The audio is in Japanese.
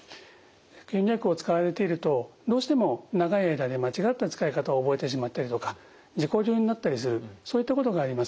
吸入薬を使われているとどうしても長い間で間違った使い方を覚えてしまったりとか自己流になったりするそういったことがあります。